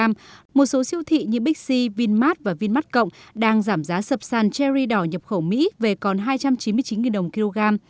một số siêu thị như bixi vinmart và vinmart cộng đang giảm giá sập sàn cherry đỏ nhập khẩu mỹ về còn hai trăm chín mươi chín đồng một kg